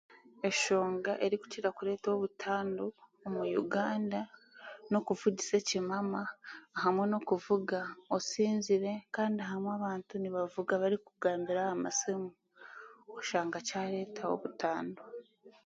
Eshonga erikukira kureta obutandu omu Uganda n'okuvugisa ekimama hamwe n'okuvuga osinzire kandi bamwe abantu nibavuga barikugambira ahasiimu oshanga kyaretaho butandu.